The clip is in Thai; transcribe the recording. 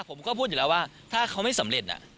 ผมก็พูดอยู่แล้วว่าถ้าเขาไม่สำเร็จ